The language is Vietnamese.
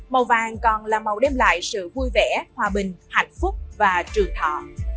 màu vàng còn là màu đem lại sự vui vẻ hòa bình hạnh phúc và trường thọ